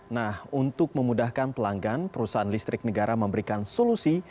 nah untuk memudahkan pelanggan perusahaan listrik negara memberikan solusi